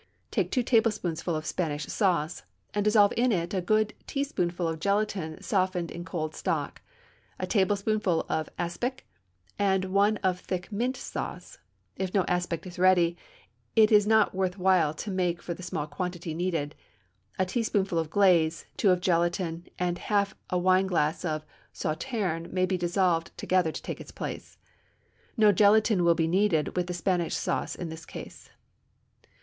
Take two tablespoonfuls of Spanish sauce, and dissolve in it a good teaspoonful of gelatine softened in cold stock, a tablespoonful of aspic, and one of thick mint sauce. If no aspic is ready, it is not worth while to make for the small quantity needed; a teaspoonful of glaze, two of gelatine, and half a wineglass of Sauterne may be dissolved together to take its place. No gelatine will be needed with the Spanish sauce in this case.